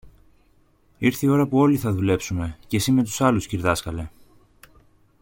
Ήρθε η ώρα όπου όλοι θα δουλέψουμε, και συ με τους άλλους, κυρδάσκαλε.